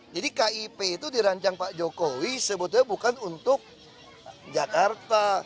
jadi kip itu dirancang pak jokowi sebetulnya bukan untuk jakarta